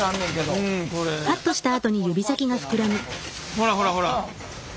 ほらほらほら！